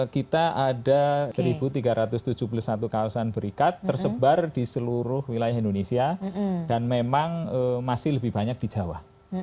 kita ada satu tiga ratus tujuh puluh satu kawasan berikat tersebar di seluruh wilayah indonesia dan memang masih lebih banyak di jawa